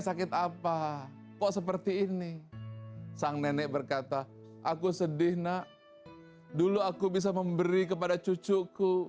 sakit apa kok seperti ini sang nenek berkata aku sedih nak dulu aku bisa memberi kepada cucuku